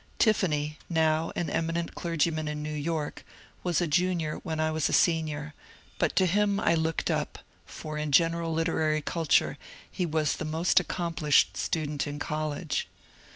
" Tiffany, now an eminent clergyman in New York, was a Junior when I was a Senior, but to him I looked up, for in general literary culture he was the most accomplished student in college.